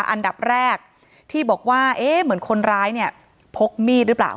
อันดับแรกที่บอกว่าเอ๊ะเหมือนคนร้ายเนี่ยพกมีดหรือเปล่า